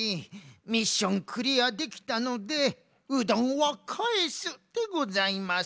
ミッションクリアできたのでうどんをかえすでございます。